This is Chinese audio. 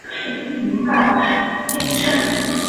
基隆要塞司令部被列入基隆市历史建筑。